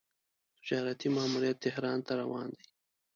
تجارتي ماموریت تهران ته روان دی.